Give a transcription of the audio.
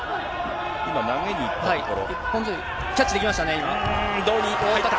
今、投げにいったところ。